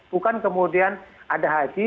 bukan kemudian ada haji